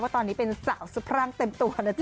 ตอนนี้เป็นสาวสะพรั่งเต็มตัวนะจ๊